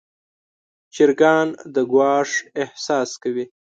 چرګان د ګواښ احساس کوي.